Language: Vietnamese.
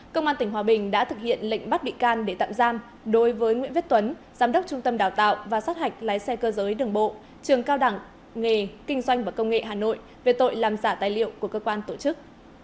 công an tỉnh hòa bình đã thực hiện lệnh bắt bị can để tạm giam đối với nguyễn viết tuấn giám đốc trung tâm đào tạo và sát hạch lái xe cơ giới đường bộ trường cao đẳng nghề kinh doanh và công nghệ hà nội về tội làm giả tài liệu của cơ quan tổ chức